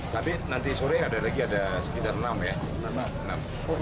tapi nanti sore ada lagi ada sekitar enam ya